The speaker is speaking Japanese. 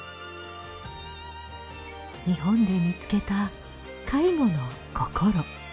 日本で見つけた介護の心。